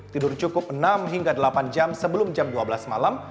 tidur cukup enam hingga delapan jam sebelum jam dua belas malam